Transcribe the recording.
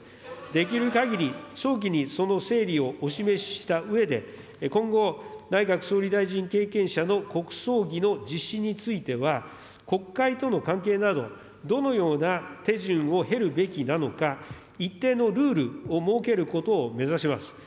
できるかぎり早期にその整理をお示ししたうえで、今後、内閣総理大臣経験者の国葬儀の実施については、国会との関係など、どのような手順を経るべきなのか、一定のルールを設けることを目指します。